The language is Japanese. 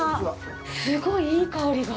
すごいいい香りが。